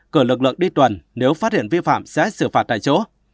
cử lực lượng đi tuần nếu phát hiện vi phạm sẽ xử phạt tại chỗ